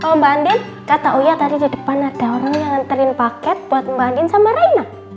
kalau mbak andin kata uya tadi di depan ada orang yang nganterin paket buat mbak andin sama raina